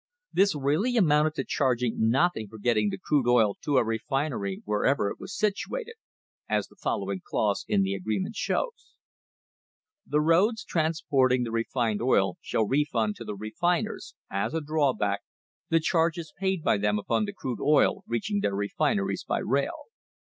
This really amounted to charg ing nothing for getting the crude oil to a refinery wherever it was situated, as the following clause in the agreement shows: "The roads transporting the refined oil shall refund to the refiners as a drawback the charges paid by them upon the crude oil reaching their refineries by rail."